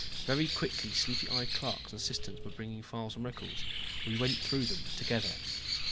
Very quickly sleepy eyed clerks and assistants were bringing files and records. We went through them together.